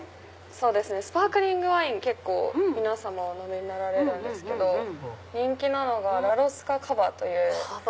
スパークリングワイン結構皆様お飲みになられるんですけど人気なのがラロスカカヴァ。